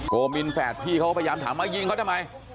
โกมินแฝดพี่เขาก็พยายามถามว่ายิงเขาทำไม